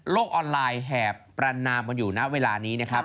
โลกออนไลน์แหบปรานามอยู่นะเวลานี้นะครับ